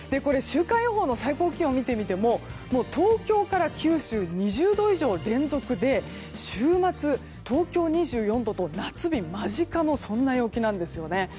週間予報の最高気温を見てみても東京から九州、２０度以上連続で週末は東京２４度と夏日間近の陽気なんです。